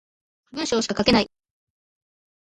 文章しか書けない